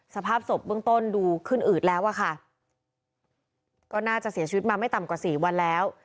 สภาพศพเบื้องต้นดูขึ้นอืดแล้วอะค่ะก็น่าจะเสียชีวิตมาไม่ต่ำกว่าสี่วันแล้ว